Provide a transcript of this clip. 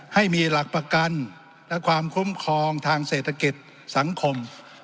ให้มีหลักประกันและความคุ้มครองทางเศรษฐกิจสังคม